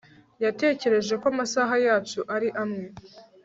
Yatekereje ko amasaha yacu ari amwe